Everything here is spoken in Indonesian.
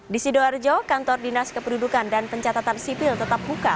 di sidoarjo kantor dinas kependudukan dan pencatatan sipil tetap buka